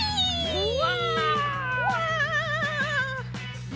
うわ！